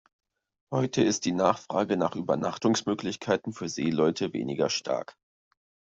Heute ist die Nachfrage nach Übernachtungsmöglichkeiten für Seeleute weniger stark.